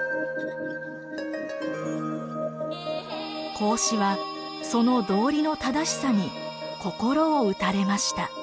孔子はその道理の正しさに心を打たれました。